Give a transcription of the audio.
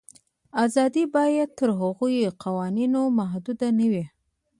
آزادي باید تر هغو قوانینو محدوده نه وي.